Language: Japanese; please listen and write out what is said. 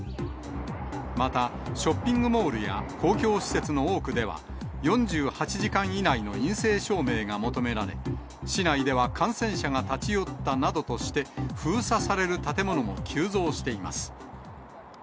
またショッピングモールや公共施設の多くでは、４８時間以内の陰性証明が求められ、市内では感染者が立ち寄ったなどとして、封鎖される建物も急増しています。